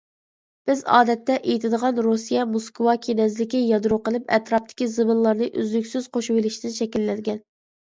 بىز ئادەتتە ئېيتىدىغان رۇسىيە موسكۋا كىنەزلىكى يادرو قىلىپ، ئەتراپتىكى زېمىنلارنى ئۈزلۈكسىز قوشۇۋېلىشتىن شەكىللەنگەن.